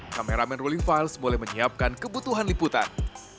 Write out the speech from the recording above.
kameramen ruling files boleh menyiapkan kebutuhan liputan